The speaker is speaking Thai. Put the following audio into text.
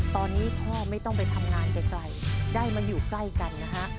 ตอนนี้พ่อไม่ต้องไปทำงานไกลได้มาอยู่ใกล้กันนะฮะ